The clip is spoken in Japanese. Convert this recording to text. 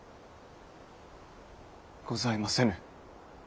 ございませぬ。